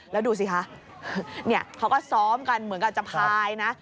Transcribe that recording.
แล้วดูสิคะเขาก็ซ้อมกันเหมือนกับจะพายนะ